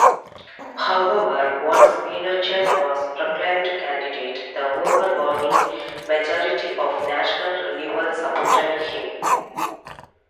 However, once Pinochet was proclaimed candidate, the overwhelming majority of National Renewal supported him.